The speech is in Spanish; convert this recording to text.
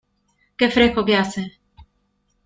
¡Qué fresco que hace!